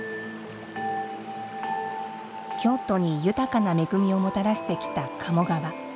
京都に豊かな恵みをもたらしてきた鴨川。